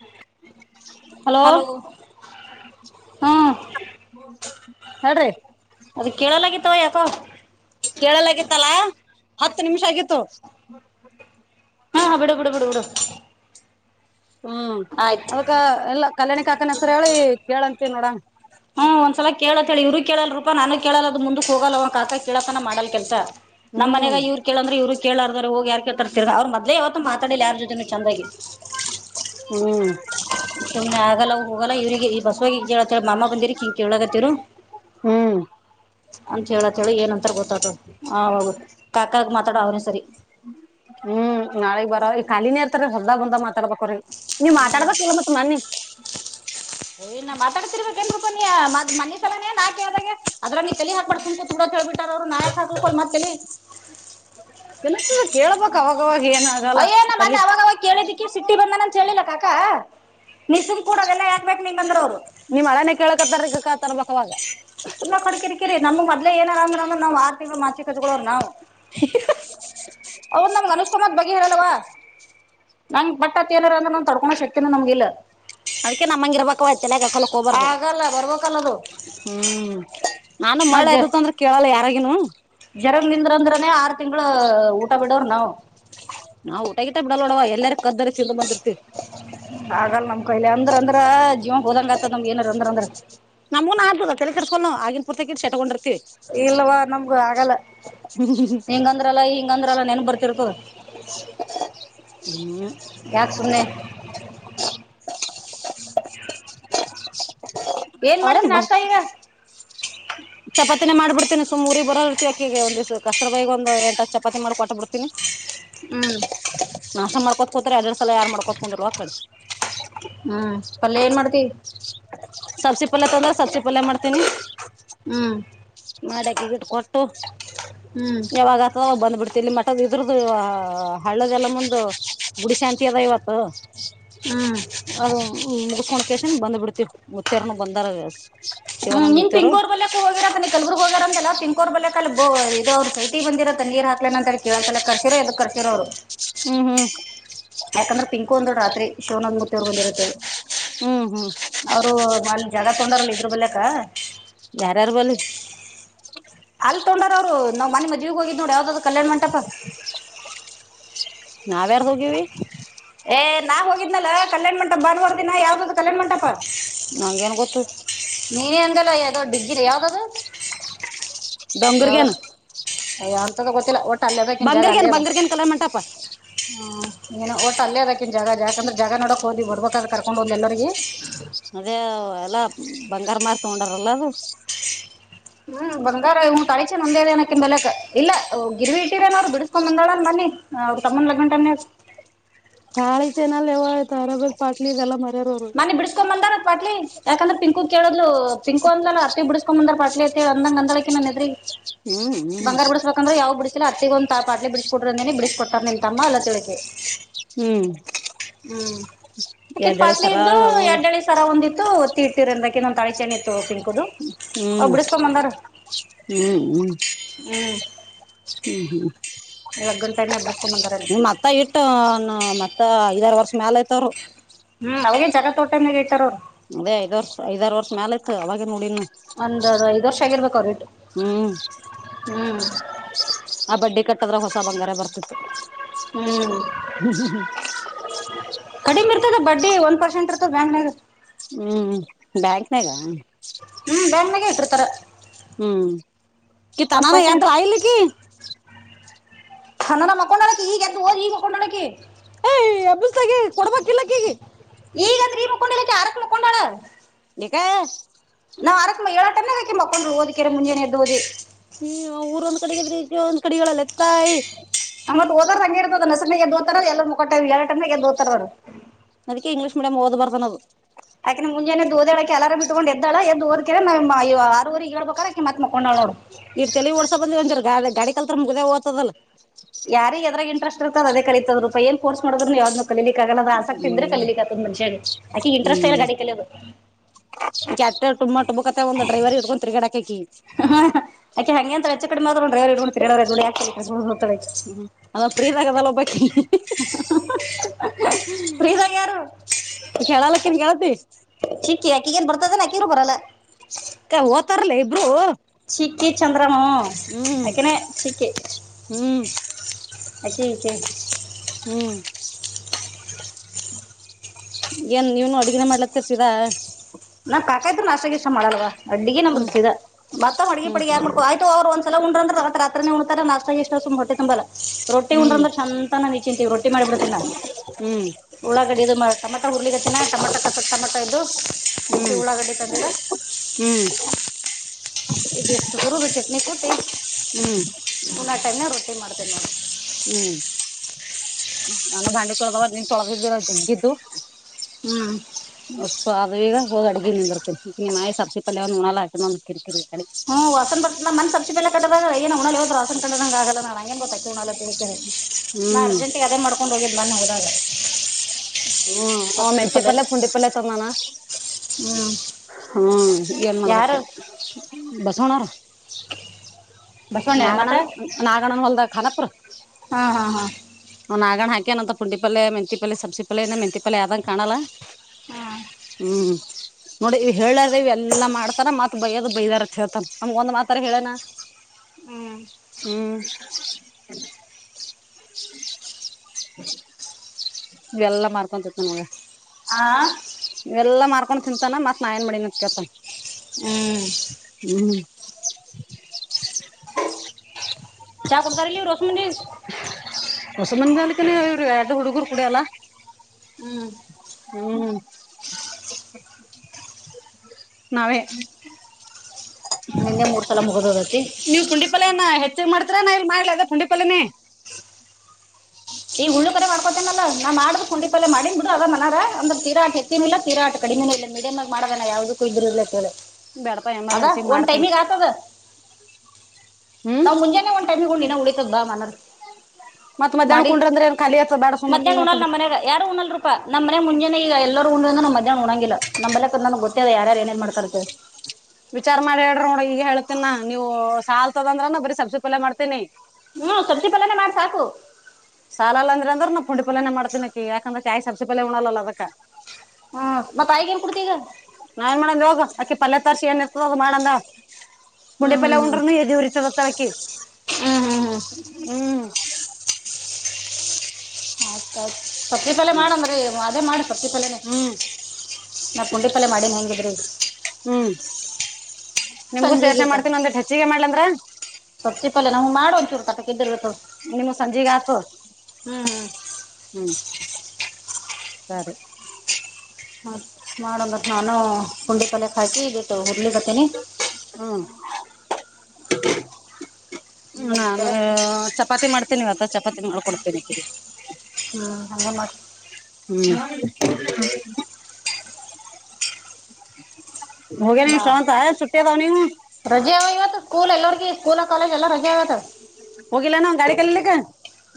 ಹ್ಮ ಹ ಹಲೋ ಹ್ಮ್ ಹೇಳ ರೀ ಅದ ಕೇಳಲಾಗಿತ್ತವ ಯಾಕೋ ಹತ್ತಲಾ ಹತ್ತು ನಿಮಿಷ ಆಗಿತ್ತು ಹಾ ಹಾ ಬಿಡ ಬಿಡ ಬಿಡು ಬಿಡ ಹ್ಮ್ ಅದಕ್ಕ ಎಲ್ಲ ಕಲ್ಯಾಣಿ ಕಾಕನ ಹೆಸರು ಹೇಳಿ ಕೇಳಂತೀವ ನೋಡ ಹ್ಮ ಒಂದ್ಸಲ ಕೇಳತ್ತ ಹೇಳ ಇವ್ರು ಕೇಳಲ್ಲಲ್ ರೂಪ ನಾನು ಕೇಳಲ್ಲ ಅದ್ ಮುಂದಕ್ ಹೋಗಲ್ಲ ಒ್ ಕಕ ಕೇಳತನ ಮಾಡಲ್ ಕೆಲ್ಸ ನಮ್ಮ ಹ್ಮ್ ಮನ್ಾಗ ಇವ್ರು ಕೇಳಂದ್ರೆ ಇವರು ಕೇಳಲಾರ ಹೋಗ ಯಾರ್ ಕೇಳ್ತರ್ ಅವ್ರ ಮದ್ಲ ಯವತ್ತುತಾಡಲಿ ಯಾರ ಜೊತೆನು ಚಂದಾಗಿತ್ತು ಹ್ಮ್ ಸ ಆಗಲ್ಲ ಹೋಗಲ್ಲ ಇವ್ರಿಗೆ ಈ ಬಸವವಾಗಿ ಮಾಮ್ಮ ಬಂದಿರ್ ಹಿಂ ಕೇಳಗತ್ತವರು ಹ್ಮ್ ಅಂತ ಹೇಳ ಹೇಳ ಏನಂತಾರ ಗೊತ್ತ ಹ ಹದು ಕಾಕಾಗ ಮಾತಾಡ ಅವನ ಸರಿ ಖಿನೇ ಇರ್ತರ ಹೊರ್ದಾಗ ಬಂದ ಮಾತಾಡ್ಬೇಕ್ರಿ ನೀವ್ ಮಾತಾಡ್ಬೇಕಲ್ಲ ಮತ್ ಮನ್ನಿ ಓ ಇ ನಾ ಮಾತಾಡ್ತಿರ್ಬೇಕೇನ್ರುಪ ನೀ ಮ್ ಮನಿ ಸಲಾನೇನ್ ನಾಕಾಗೆ ಅದ ಚಲಿ ಹಾಕ್ಬಾರತಂತು ಕೂಡ ಕೇಳ್ಬಿಟ್ಟಾರ ಅವ್ರು ನಾಯಕ್ ಹಾಕ್ಕೋಲ್ ಮತ್ತೆಲಿ ಕೇಳ್ಬಕ್ ಅವಾಗವಾಗ ಏನ್ ಆಗಲ್ಲ ಅಯ್ಯನ ಮನ್ನ ತಲಿ ಅವಾಗವಾಗ ಕೇಳಿದ್ದಿಕ್ಕೆ ಸಿಟ್ಟಿ ಬಂದನಂತ ಕೇಳಿಲ್ಲಾ ಕಾಕಾ ನಿಸುಮ ಕೂಡ ಅದೆಲ್ಲ ಹಾಗ್ಬೇಕು ನಿಮ್ಂದ್ರೆ ಅವರು ನಿಮ್ ಹಳೇನೆ ಕೇಳಕತ್ತಾರ ಕತರ್ಬೇಕ ಅವಾಗ ತುಂಬಾ ಕಡಕಿರಿಕಿರಿಮ್ ಮದ್ಲ ಏನರ ಅ್ರ್ರ ನಾವ್ ಆರು ತಿಂಗಗಳು ಮಾಚಿ ಕತ್ ನಾವವು ಹ ಅವೌದ ನಮ್ಗೆ ಅನುಷ್ ಕುಮಾರ್ ಬಗ್ ಹೇಳಲ್ವ ನಂಗ್ ಬಟ್ಟತ್ತ ಏನಾರ ಅಂದ್ರೆ ನ ತಡ್ಕೋ ಶಕ್ಯನ ನಮ್ಗ ಇಲ್ಲ ಅದಕ್ಕೆ ನಮ್ಮಂಗ ಇರ್ಬೇಕಯತಲೆ ಹಾಕಲಕ್ ಹಬಾರ್ದು ಆಗಲ್ಲ ಬರ್ಬೇಕಲ್ಲ ಅದು ಹ್ಮ್ ನಾನು ಮಳೆ ಅದತ್ ಅಂದ್ರೆ ಕೇಳಲ್ಲ ಯಾರಾಗಿನು ಜರಂಗ್ ದಿಂದ್ರ ಅಂದ್ರನೆ ಆರು ತಿಂಗಳ ಊಟ ಬಿಡವ್ರ ನಾವ ನಾ್ ಊಟಗಿ ಬಿಡಲ್ಡವ ಎಲ್ಲರೂ ಹಾಗಲ್ಲ ನಮ್ ಕೈಲಿ ಅಂದ್ರ ಅಂದ್ರ ಜೀವನ್ ಹೋದಂಗ ಆತದ ನಮ್ ಏನಾರ ಅಂದ್ರ ನಮ್ಮೂನು ಆದಲ್ಲ ತೆ ಕರ್ಕೊ ಆಗಿನ ಪರ್ಕಿಟ್ ಚಟಕೊಂಡ್ರ ಇಲ್ವಾ ನಮ್ಗು ಆಗಲ್ಲ ಹಂಗಂದ್ರಲ್ಲಾ ಹಿಂಗಂದ್ರಲ್ಲ ನೆನ್ ಬರ್ತಿರ್ತ ಹ್ಮ್ ಯಾಕ ಸುಮ್ನೆ ಏನ್ ಅವ್ರೇನ್ ಮಾಡ್ತೀನಿ ಬ ಅಷ್ಟ ಈಗ ಬರಲ್ ಇರ್ತಿವಿ ಅಕಗ ಒಂದ ಕಸರ ಬೈಗ್ ಒಂದು ಎಂಟ್ ಚಪಾತಿ ಮಾಡಿ ಕೊಟ್ಟ ಬಿಡ್ತಿನಿ ಹ್ಮ್ ಕತ್ಕೋತರಿ ಅದರ ಸಲ ಯಾರ್ ಮಾಡ್ಕೊಂಡಿ ಕಿ ಹ್ಮ್ ಪಲ್ಯ ಏನ್ ಮಾಡ್ತಿ ಸಬ್ಸಿ ಪಲ್ಯ ತೊಂದ್ರೆ ಸಬ್ಸಿ ಪಲ್ಯ ಮಾಡ್ತೀನಿ ಹ್ಮ್ ಮಾಡ್ಯಕಿ ಗಿಟ್ ಕೊಟ್ಟು ಹ್ಮ್ ಯಾವಾಗ ಆತ ಬಂದ್ಬಿಡ್ತಿಲ್ಲಿ ಮ ಮದ ಇದ್ರದದು ಹಳ್ಳದಲ್ಲ ಮುಂದ ಗುಡಿ ಶಾಂತಿ ಅದ ಇವತ್ತು ಹ್ಮ್ ಅದು ಮುಡ್ಕೋಳಕೇಶನ್ ಬಂದ್ ಬಿಡ್ತೀವಿ ಮುತ್ತಾರ್ನು ಬಂದಾರ ಶಿವಾನಂದ ಮುತ್ತೇರು ಕಲ್ಬರ್ಗಗ್ ಹೋಗ್ಯಾರ ಅಂತಲ್ಲ ತಿಕೋರ್ ಬಲ ಅ ಇ ಅವರು ಕೈ ಇ ಬಿರ ತ ನೀರ್ ಹಾಕ್ಲೇ ಅಂತ ಹೇಳ ಕೇಳಸ ಕಸರೋದ ಕರ್ಸರ ಅವರು ಹ್ಮ್ ಹ್ಮ್ ಯಾಕಂದ್ರೆ ಪಿಂಕು ಅಂದ್ ರಾತ್ರಿ ಶಿವನ ಒಂದ್ ಮುತ್ತವರ್ ಬಂದಿರತ್ತೇಳಿ ಹ್ಮ್ ಹ್ಮ್ ಅವರು ಅಲ್ಲಿ ಜಾಗ ತಗೊಂಡಾರಲ್ಲ ಇದ್ರ ಬಲೆಕ ಯಾರ್ಯಾರ್ ಬಲ್ಲಿ ಅಲ್ ತೊಂಡಾರ ಅವ್ರು ನಾವ್ ಮನೆ ಮದ್ವಿಗ್ ಹೋಗಿದ್ದ್ ನೋಡ ಯಾವ್ದಾದ್ರು ಕಲ್ಯಾಣ್ ಮಂಟಪ ನಾವ ಯಾರ್ ಹೋಗಿವವಿ ಏ ನಾ ಹೋಗಿದ್ನಲ್ಲ ಕಲ್ಯಾಣ ಮಂಟಪ ಬಂದುವರ್ದಿನ ಯಾದೂ ಕಲ್ಯಾಣ ಮಟಪ ನಂಗೇನ್ ಗೊತ್ತು ಯದು ಡಗ್ಗರದದು ಾಂಗರಗೆನು ಅಯ ಅಂತ ಗೊತ್ತಿಲ್ಲ ಓಟ ಅಲ್ಲದಕನ್ ಜಾಗ ಅಲ್ಲೇದ ಬಂಗರ್ಗೇನ್ ಕಲ್ಯಾಣ ಮಂಟಪ ಹ್ ಏನು ಓಟ್ ಅ ಅದಕಿ ಜಾಗ ಯಾಕಂದ್ರೆ ಜಾಗ ನೋಡೋಕ್ ಹೋದಿ ಬರ್ಬೇಕ ಅ ಕರ್ಕೊಂಡು ಒಂದು ಎಲ್ಲರಿಗೆ ಮದೇ ಎಲ್ಲಾ ಬಂಗಾರ ಮ ತಗೊಂಡ್ರಲ್ಲದು ಹ್ಮ್ ಬಂಗಾರ ಹ್ ತಳಿಚೆ ನಂದೇದೇನಕಿ ಬಲಕ್ ಇಲ್ಲ ಗಿರಿಿ ಇಟ್ಟಿರೇನೋರು ಬಿಡಿಸಸ್ಕೊ ಬಂದಾಳ ಮನ್ನಿ ತಮ್ಮ ಲಗ್ನ ಟ ತಾಳ ಚೆ ನಲ್ಲ ಯವ ಆ್ತ ಅರ ಬ ಪಾಟ್ಲಿ ಎಲ್ಲ ಮಾಡ ಮನೆ ಬಿಡಿಸಸ್ಕೊ ಬಂದಾರ ಪಾಟ್ಲಿ ಯಾಕಂದ್ರ ಪಿಂಕು ಕೇಳದ್ಲು ಪಿಂಕು ಅಂದ ಅಲ್ಲ ಅತ್ತಿ ಬಿಡಸ್ಕೊ ಬಂದಾರ ಪಾಟ್ಲಿ ಅ ಅಂದಂಗಂದಳಕಿ ನ ಹೆದ್ರಿ ಹ್ಮ್ ಹ್ಮ್ ಬಂಗಾರ ಬಿಡಸ್ಬೇಕಂದ್ರೆ ಯಾವ್ ಬಿಡ ಅತ್ತಗ ಒಂದು ತಾಟ್ಲಿ ಬಿಡಿಸಿ ಕೊಟ್ರಂದೇನೆ ಬಿಸಕ ಕೊಟ್ಟ ನಿಂತ ತಮ್ಮ ಅಲ್ಲ ತಿಳಕಿ ಹ್ಮ್ ಹ್ಮ್ ಎರ್್ದಡೆ ಸರ ಹವು ಒಂದಿತ್ತು ಒತ್ತಿ ಇಟ್ಟಿರಂದ್ರಕ್ಕೆ ನಮ್ಮ ತಳಿ ಚೆ ಎ ತಗಿನ್ಕುದು ಹ ಹ್ಮ್ ಬಿಡಿಸಕೊಂಬಂದಾರ ಹ್ಮ್ ಹ್ಮ್ ಹ್ಮ್ ಹ್ಮ್ ಹ್ಮ್ ಟೈಮ್ನಾಗ ಬಿಡಿಸ್ಕೊಂಬಂದಾರ ಅಲ್ಲಿ ನಿ ಮತ್ತ ಇಟ್ಟು ಮತ್ತ ಐದಾರ ವರ್ಷ ಮೇಾಲ ಐತವ್ರು ಹ್ಮ್ ಅವಾಗ ಜಗ ತೋಟಾಗ ಇಐತಾರ ಅದೇ ಐದ ವರ್ಷ ಐದಾರು ವರ್ಷ ಮ್ಯಾಲ ಇಯತ್ತು ಅವಾಗೆ ನೋಡಿಿನ ಒಂದದ ಐದ್ ವರ್ಷ ಆಗಿರ್ಬೇಕ ಅವ್ರೇಟ್ು ಹ್ಮ್ ಹ್ಮ್ ಆ ಬಡ್ಡಿ ಕಟ್ಟದ್ರ ಹೊಸ ಬಂಗಾರ ಬರ್ತಿತಿ ಹ್ಞೂ ಹ್ಮ್್ಮ ಹ್ಮ ಕಡಿಮೆ ಬಡ್ಡಿ ಒಂದು ಪರ್ಸೆಂಟ್ ಇರ್ದೆ ಬ್ಯಾಂಗ್ನದು ಹ್ಮ್ ಬಾಗನಾಗ ಹ್ಮ್ ಬೆಣ್ಣಗೆ ಇಟ್ಟಿರ್ತಾರ ಹ್ಮ್ ಒಂದು ತನಾನ ಪರ್ಸೆಂಟ್ ಯಾದ್ರ ಆಯಲಿ ಕ ಾನಾ ಮಕೊಂಡಡೆ ಈಗ ತು ಈ ಮಕೊಂಡಡಡೆಕ್ಕೆ ಏ ಅಬಸಗ ಕೊಡ್ಬೇಕಕ್ಿಲ್ಲ ಕೀಗಿ ಈಗ ತ್ರೀ ಮುಕೊಂಡ ಚಾರಕ್ಕೆ ಮುಕೊಂಡುಳ ಿಕ ನಾ ಅರಕ್ ಏಳ ಟಮನ ಹಾಕಾ ಕೊೊಂಡ ಓದಿರ ಮುಂಜಾನೆ ಎಡ್ ಓಿ ಹ್ಮ ಊರ್ ಒಂದ್ ಕಡೆಗ ಇದ್ರ ಇದ ಒಂದ್ ಕಡೆಗಳಲ್ಲ ತಾಯಿ ಆಮ್ಮತ್ ಓದ ಹಂಗಗೆರ್ತದ ನಸನ ದೋತಾರ ಎಲ್ಲ ಕೊಟ್ಟ ಎರಟನ ಎದೋತಾರ ಅದಕ್ಕೆ ಇಂಗ್ಲೀಷ್ ಮಡಿಯಂ್ ಓ್ ಬರ್ಬಾ ಅದು ಯಾಕಂದೆ ಮುಂಜಾನನೆ ದೋದಳೆ ಎಾರ ಬಿಟ್ಟ ತೊಂಡ ಎ್ದಳ ಎ್ರ್ಕಿ ನ ಆರವರೆಗೆ ಹೇಳ್ಬೇಕಾರೆಕ ಮತ್ ಮಕ್ಕೊಂಡಳ ನೋಡು ಇರ್ ತಲಿ ಓಡ್ಸ ಬಂದ್ವಂದ ಗಾ ಗಾಡಿ ಕಲ್ತ್ರರ್ ಮುಗ್ದ ದ್ತದಲ್ಲ ಯಾರಿಗೆ ಎದ್ರಾಗ ಇಂಟೆಸ್ಟ್ ಇರ್ದೇ ಕಲಿತದ ರೂಪ ಏನ್ೋರ್ ಮಾಡ್್ರ ನೀ ಯಾವ್ದ ಕಲೀಲಿಕ್ಕೆ ಆಗಣದದು ಆಸಕ್ತಿ ಅಂದ್ರೆ ಹ್ಮ್ ಕಲೀಲಿಕ್ಕೆ ಆತದ್ ಮನುಷ್ಯಾಗ ಆಕೆ ಇಂಟ್ರೆಸ್ಟ್ ಇಲ್ಲ ಗಾಡಿ ಕಲಿಯೋದು ಈ ಟು ಟುತ್ತೆ ಒಂದು ಡ್ರೈರ್ ಇದಕೊ ತಿರ್ಗಡೆ ಹಾ್ಕೆ ಹಂಗೆ ಅಂತ ಹೆಚ್ಚ ಕಡೆಮ ಮಾಡ್್ರವ ಇ ಹ್ಮ ಅ ಪ್ರ ಇದ ಆಾಗದಲ್ಲ ಒಬ್ ಬಕಿ ಹ್ಮ್ ಫ್ರೀದಾಗ ಯಾರು ಪ ಶ್ಯಳಲ್ಲಕ್ಕನ ಕತ್ತ ಈಗನ್ ಬರ್ತದೆ ನಕಿರು ಬರಲ್ಲ ಅ ಓತಾರಲ್ಲ ಇಬ್ರು ಶಕ್ಕೆ ಚಂದ್ರ ಆನ ಹ್ಮ್ ಚ ಹ್ಮ್ ಆ ಹ್ಮ್ ಏನ್ ನೀವನು ಅಡ್ಗನ ಮಾಡ್ಲತ್ತರ್ಸಿದಾ ನಾ ಕಾಕಾಯ್ತು ನಾಸಗಸ ಮಾಡಲ್ವ ಅಡ್ಡಿಿಗೆ ಹ್ಮ್ ನಮ್ದ್ಸಿದ ಮತ್ತತ್ ಅಡ್ಗೆಿ ಹ್ಮ್ ಪಡ್ಿಗೆ ಯಾರ ಮಾಡ್ಕೋ ಆಯ್ತ ಅವರು ಒಂದಸಲ ಉ್ಣ್ರಂದ್ರೆಾತ್ರಿೇ ಉಣ್ತಾರೆ ನಾ ಎಷ್ಟ ಸುಮ್ ಹೊಟ್ಟೆ ತುಂಬಲ್ಲ ರೊಟ್ಟಿ ಹ್ಮ್ ಉಂಡ್ರಂದ್ರೆ ಶ ಅಂತ ನಾನನ್ ನಿಚಿಂತೀಿ ರೊಟ್ಟಿ ಮಾಡಿಬಿಡ್ತನ ಹ್ಮ್ ಉಳ್ಳಳಾಗಡೆ ಇದು ಟಮಟ ಹುರ್ಲಿಿತ್ತಿನ ಟಮಟೋ ಕಸತ್ ಟಮಟ ಇದು ಹ ಹಾಕೆ ಉಳಾಗಲಿ ತಂದರ ಹ್ಮ್ ಿ ಮಾಡ್ತೇನೆ ನವು ಹ್ಮ್ ನಾನು ಬಾಂಡೆ ಚಳದವಾಗ ನಿನ್ ತೊಳಗಿದ್ದಿರ ದುಡ್ಗಿದ್ದು ಹ್ಮ್ ಅ ಅ ಈಗ ಹೋಗಿ ಅಡ್ಗಿನ ನಿಂದಿರ್ತ್ತೆ ಈ ನಾಯಿ ಸರ್ಸಿ ಪಲ್ಯ ಒ್ ಉಣಾಲ ಹಾ ನಂದು ಕಿರಿಕೀರಿ ಹ್ಮ್ ವಸನ್ ಬರ್ತ ಮ ಸಸಿ ಎಲ್ಲ ಕ ಏ ವಸನ್ ಕದಂಗ ಆಲ್ಲ ನ ಹಂಗ ಬ ನಾ ಅರ್ಜೆಂಟಗ ಅದೇ ಮಾಡ್ಕೊಂಡು ಹೋಗಿದ್ದ್ ಬನ್ನ ಹೋದಾಗ ಹ್ಮ ಸೊಪ್ಪು ಮೆತ್ತೆ ಪಲ್ಯ ಪಲ್ಲ ಕುುಂಡ ಪಲ್ಲೆ ತಂದಾನ ಹ್ಮ್ ಹ್ಮ ಏನ್ ಯಾರು ಮಾಡ್ಬೇಕ ಬಸವನ ಬಸವಣ್ಣ್ಯರ ಮತ್ತ ನಾಗಣನ್ ನಾಗಣನ್ ಹೊಲ್ದ ಖನಪ್ರ ಹಾ ಹಾ ಒ್ಾಗಣ ಹಾಕಿ ಅನಂತ ಪುಿಲ್ ಮೆಂಿಪ ಪಿ ಸಬ್ಸಿ ಪಲ್ಯನ ಮೆಂಿ ಪಲ್ಯ ಆದಂಗ ಕಾಣಲ್ಲ ಹಾ ಹ್ಮ್ ನೋಡಿ ಇವ್ ಹೇಳ್ಯದ ಇವ ಎಲ್ಲಾ ಮಾಡ್ತಾರ ಮತ್ ಬಯ್ಯದ ಬೈದಾರ ಹೇಳ್ತನ್ ನಮ್ಗ ಒಂದ್ ಮಾತಾರ ಹೇಳೇನ ಹ್ಮ್ ಹ್ಮ್ ಹ್ಮ್ ಇವೆಲ್ಲಾ ಮಾರ್ಕೊಂತತ್ತು ನಗ ಆ ಇವೆಲ್ಲಾ ಮಾಡಾರ್ಕೊಂಡು ತಿಂತಾನ ಮತ್ತತ್ ನಾ ಏನ್ ಮಾಡಡತ್ಕಳ್ತ ಹ್ಮ್ ಹ್ಮ್ ಚಾ ಕುಡ್ತಾರಿಲ್ಲ ಇವ್ರು ಹೊಸಮನಿ ಹೊಸ ಮಂದಜಾಲಕ್ಕೆ ಇವರು ಎರಡು ಹುಡುಗರು ಕುಡಿಯಲ್ಲ ಹ್ಮ್ ಹ್ಮ್ ನಾವೇ ನಿನ್ನೆ ಮೂರ್ ಸಲ ಮುಗದೋದೈತಿ ನೀವು ಪುಂಡಿಪಲ್ೆಯನ ಹೆ ಮಾಡ್ತರಾ ನಾ ಇಲ್ಲಿ ಮಾಡ್ಲ ಅದ ತುಂಡಿ ಪಲ್ಲನೇ ಈ ಹುಳ್ಳು ಕ ಮಾಡ್ಕೊತೇನಲ್ಲಾ ನಾ ಮಾಡ್ರ್ಖಂಡಪಲ್ಲ ಮಾಡ್ ಬಿಡು ಅದ ಮನಾರ ಅ್ರ ತೀರಾಟ ಎತ್ತಿನ ಇ ತೀರಾ ಕಡಿಮೆ ಇ ಮೀಡಿಯಮ ಆಗ ಮಾಡೋೇನ ಯಾವ್ದು ಇದ್ರರ್ಲ ಕೇಳ ಬೇಡಪಾ ಅದ ಎಮರ್ಜೆನ್ಸಿ ಒಂದ್ ಮಾಡ್ತೇನಿ ಟೈಮಿಗೆ ಆಗ್ತದ ಹ್ಮ್ ನಾ್ ಮುಂಜಾನೆ ಒಂದ್ಟಮಿಗೆ ಹೋಗ್ಿನ ಉಳಿತದ ಬಾ ಮನರ್ ಮತ್ ಮಧ್ಯಾಹ್ನ ಮಾಡಿ ಕುಂಡ್ರ ಅಂದ್ರೆ ಏನ್ ಖಾಲಿ ಆತ ಬೇಡ ಸುಮ್ಮಕಿ ಮಧ್ಯಾಹ್ ಉಣಲ್ ನಮ್ಮ ಮನಾಗ ಯಾರು ಉಣಲ್ ರೂಪಾ ನಮ್ಮ್ ಮನೆ ಮುಂಜಾನೆ ಈಗ ಎಲ್ಲ ಹ ನ ಮ್ಯಾಹ್ ಉಂಗಿಲ್ಲ ನಮ್ಮಲ್ಲ ಗೊತ್ತ ಯಾರುಏನು ವಿಚಾರ ಮಾಡಿ ಹೇಳ್ರಿ ನೋಡ ಈಗ ಹೇಳ ನೀವು ಸಾಲ್ತದಂದ್ರನ ಬರೀ ಸಬ್ಸಿ ಪಲ್ಯ ಮಾಡ್ೇನಿ ಹ್ಮ್ ಸಬ್ಜಿ ಪಫಲಾನೆ ಮಾಡಿ ಸಾಕು ಸಾಲ ಅಂದ್ರ ಅಂದ್ರ ನಾವು ಪುಂಡಿ ಪಲ್ಯನ ಮಾಡತನಕಿ ಯಾಕಂದ್ರೆ ಕಾಯಿ ಸಬ್ಸಿ ಪಲ್ಯ ಉಳಲ್ಲ ಅದಕ ಹ್ಮ ಮತ್ತ ಆಗ ನ್ ಕುಡ್ತಿಗ ನಾ ಏನ್ ಮಾಡಂದೆ ಹೋಗ ಅಕಿ ಪಲ್ಲ ತಾರ್ಷಿ ಏನ್ ಎಸತೋಗ ಮಾಡಂದ ಹ್ಮ್ ಮುಂಡೆಪಲ್ಲ ಹ್ಮ್ ಉಂಡರನು ಯಜೂರಿ ಚದತ್ತಕ್ಕೆಿ ಹ್ಮ್ ಹ್ಮ್ ಹ್ಮ್ ಹ್ಮ್ ಹ್ಮ್ ಆಯ್ತ ಆಯ್ತ್ ಪತ್ರಿಿ ಪಲ್ಲೆ ಮಾಡನ್್ರೀ ಅದೇ ಮಾಡ್ ಪತ್ತಿ ಪಾಲ್ಯನೇ ಹ್ಮ್ ನಾವು ಪುಂಡಿ ಪಾಲ್ಯ ಮಾಡೀನಿ ಹೇಂಗಿದ್ದ್ರಿ ನಿಮಗೂ ಸೇರ್ಸೆ ಸಂಜೆಗೀಟ ಮಾಡ್ತೀನ ಒಂದೆ ಹೆಚ್ಚಿಗೆ ಮಾಡ್ಲಂದ್ರ ನ್ವು ಮಾಡ ಒಂ ಚೂ ಕಟದಿ ನಿಮ ಸಂಜೆೆಗೆ ಆತು ಹ್ಮ್ ಹ್ಮ್ ಸರಿ ಮ ಮಾಡಬಟ್ ನಾನು ಕುಂಡಿ ಪಲ್ಕ್ ಹಾಕಿ ಇದ ಹುರ್ಲಿಗತೇನೆ ಹ್ಮ್ ನಾನು ಸರ ಚ ಚಪಾತಿ ಮಾಡ್ತೇಿವತ್ತ ಚಪಾತಿ ಮಾಡ್ಕಡ್ತೀನಿ ಹ್ಮ್ ಅ ಮಾಡ ಹ್ಮ್ ಹೋಗ್ಯಾನ ಇವ್ ಹ ಶ್ರವಂತ ಸುಟ್ಟಿ ಅದಾವ್ ನೀವು ರಜೆ ಇವತ್ತು ಸ್ಕೂಲ್ ಎಲ್ಲರ್ಗ [unintelligible] ಹಾಗ ಸ್ಕೂಲ ಕಾಲೇಜ್ ಎಲ್ಲಾ ರಜೆ ಇವತ್ತು ಹೋಗಿಲ್ಲನು ಗಾಡಿ ಕಲೀಲಿಕ್ಕ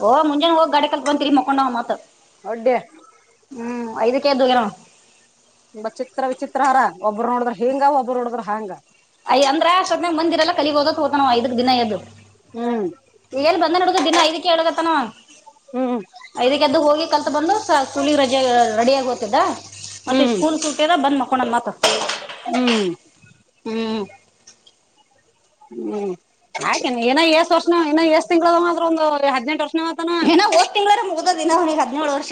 ಓ ಮುಂಜನೆ ಹೋಗಿ ಗಡಿ ಕಲ್ತ್ ಬಂತತ್ರಿ ಮುಕೊಂಡ್ ಮತ್ತ್ ಒಡ್ಡೆ [unintelligible] ಹ್ಮ್ ಐದಕ್ಕೆ ಎದ್ದು [unintelligible] ತುಂಬಾ [unintelligible] ಚಿತ್ರ ವಿಚಿತ್ರ ಹರ ಒಬ್ಬರು ನೋಡಿದ್ರ ಹಿಂಗ ಒಬ್ಬರು ನೋಡಿದ್ರ ಹಾಂಗ ಅಯ ಅಂದ್ರೆ ಅಷ್ಟೋತ್ ನಾಗ ಮಂದಿರಲ್ಲ ಕಾಲಿಬೋಧು ಅಂತ ಹೋತನವ ಐದಕ್ ದಿನ ಎದ್ದು ಹ್ಮ್ ಎಲ್ಲಿ ಬಂದ್ರ ನ [unintelligible] [unintelligible] ಕೇಡು ಕತ್ತನವಾ ಹ್ಮ್ ಐದಕ್ಕೆ ಎಡ್ಡಿ ಹೋಗಿ ಕಲ್ತ ಬಂದು ಸ್ಕೂಲಿಗೆ ರಜೆ ರೆಡಿ ಆಗ ಹೋ್ತಿದ್ದ ಮತ್ತೆ ಹ್ಮ್ ಸ್ಕೂಲ್ ಸೂಟೆಲ್ಲ ಬಂದ್ ಮಲ್ಕೊಂಡನಾ ಮತು ಹ್ಮ್ ಹ್ಮ್ ಹ್ಮ್ ಹಾಗ [unintelligible] ಏನ ಎಏಷ್ಟ ವರ್ಷ ಇನ್ನ ಎಏಷ್ಟ [unintelligible] ತಿಂಗಂಗಳ ಮಾತ್ರ ಒಂದು ಹದಿನೆಂಟು ವರ್ಷ ಏನಾ ಹೋದ್ ತಿಂಗಳಾರ ಮುಗ್ದದ ಇನ್ನ ಅವನಿಗೆ ಹದಿನೇಳು ವರ್ಷ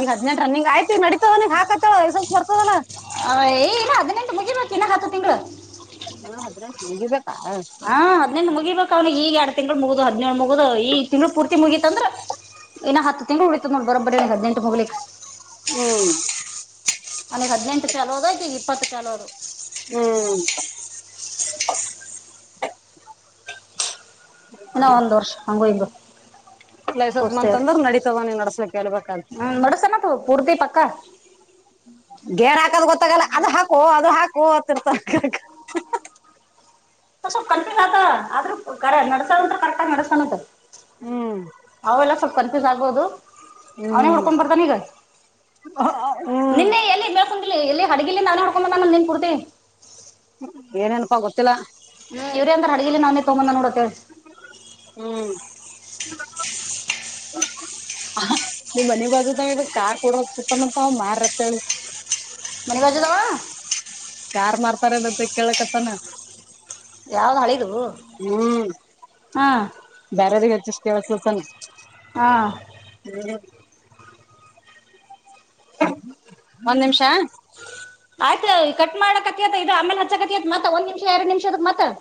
ಈಗ ಹದ್ನೆಂಟ ರನ್ನಿಂಗ್ ಆಯ್ತಿ ನಡಿತದನಗ್ ಹಾಕತೇಳ ಲೈಸನ್ಸ್ ಬರ್ತದಲ್ಲ ಅವ ಏ ಇನ್ನ ಹದಿನೆಂಟು ಮುಗಿಬೇಕು ಇನ್ನ ಹತ್ತು ತಿಂಗಳು [unintelligible] ಹಾ ಅದ್ರ ನ ಹಾ ಹದಿನೆಂಟ್ ಮುಗಿಬೇಕ ಅವನಿಗೆ ಈಗ ಎರಡು ತಿಂಗಳು ಮುಗುದು [unintelligible] ಹದಿನೇಳು ಮುಗು ಹೋದ ಈ ತಿಂಗಳು ಪೂರ್ತಿ ಮುಗೀತಂದ್ರ ಇನ್ನ ಹತ್ತು ತಿಂಗಳು ಉಳಿತದ ನೋಡು ಬರೊಬರಿ ಅವನಿಗೆ ಹದ್ನೆಂಟು ಮುಗಿಲಕ್ ಹ್ಮ್ ಅವನಿಗ್ ಹದಿನೆಂಟು ಛಲೋ ಅದ ಅಕಿಗೆ ಇಪ್ಪತ್ತು ಚಲೋ ಅದ ಹ್ಮ್ ಇನ್ನ ಒಂದ್ ವರ್ಷ ಹಂಗೂ ಇಂಗೋ ಲೈಸನ್ಸ್ ಬಂತಂದ್ರ ನಡತದ ನೀ ನಡಸ್ಲಿಕ್ ಎಲ್ಬೇಕಲ್ಲಿ ಹ್ಮ್ ನಡಸನತ್ ಪೂರ್ತಿ ಪಕ್ಕ [unintelligible] ಗೇರ ಹಾದು ಗೊತ್ತಾಗಲ್ಲ ಅದು ಹಾಕು ಅದು ಹಾಕು [unintelligible] ಅತ್ತರ್ತಾರ ಸ್ವಲ್ಪ ಕನ್ಫ್ಯೂಸ್ ಅದ ಆದ್ರೂ ಕರೆ [unintelligible] ನಡ [unintelligible] ಕರೆಕ್ಟ್ ನಡೆಸ್ತಾನಂತ ಹ್ಮ್ ಅವೆಲ್ಲ ಸ್ವಲ್ಪ ಕನ್ಫ್ಯೂಸ್ ಆಗ್ಬಹುದು ಅವನೇ ಹ್ಮ್ ಹೊಡ್ಕೊಂಡ್ ಬರ್ತಾನ ಈಗ ಹ್ಮ್ ನಿನ್ನೆ [unintelligible] ಎಲ್ಲಿೇಳ್ [unintelligible] ಇಲ್ಲಿ ಹಡಗಲ್ಲಿ ಅವನೇ ಹೂಡ್ಕೊಂಡ ಬಂದವನೇ ನಿನ್ ಕುೂಡ್ತಿ ಏನೇನಪ ಗೊತ್ತಿಲ್ಲಾ ಹ್ಮ ಇವರೇ ಅಂದ್ರ ಅಡ್ಗಲಿ [unintelligible] ನಾವ ತಗೊಂಡ್ ಬಂದವ ನೋಡ ಹ್ಮ್ [unintelligible] ನಿಮ್ ಮನಿ [unintelligible] ಬದದಾವ [unintelligible] ಇಾಗ ಕಾರ್ ಕೊಡ [unintelligible] ಹೋಗ್ತಿತ್ತಂತ ಅವ ಮಾರತ್ ಹೇಳ [unintelligible] ಮಣಿಿವಾಜುದಾವ ಯಾರ್ ಮಾಡ್ತಾರದಂತ ಕೇಳಕತ್ತಾನ ಯಾವ್ದ್ ಹಳಿದು ಹ್ಮ್ ಹಾ ಬರೆದ [unintelligible] [unintelligible] ಷ್ಟವಸಸಲ್ಲ್ಮ ಹಾ [unintelligible] ಒಂದ್ ನಿಮಿಷ ಆಯ್ತು ಈ ಕಟ್ [unintelligible] ಮಾಡಕತ್ತ ಇದು ಆಮೇಲೆ ಹಚ್ಚಕತ್ತತ್ ಮತ್ತ ಒಂದ್ ನಿಮಿಷ ಎರಡ್ ನಿಮಿಷದಕ್ ಮತ್ತ